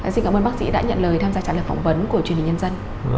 xin cảm ơn bác sĩ đã nhận lời tham gia trả lời phỏng vấn của truyền hình nhân dân